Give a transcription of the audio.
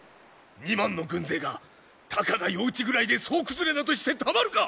２万の軍勢がたかが夜討ちぐらいで総崩れなどしてたまるか！